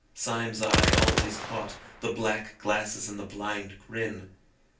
Syme's eye always caught the black glasses and the blind grin.